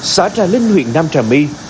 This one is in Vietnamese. xã trà linh huyện nam trà my